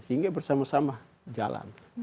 sehingga bersama sama jalan